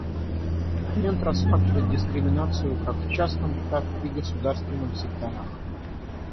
Документ рассматривает дискриминацию как в частном, так и государственном секторах.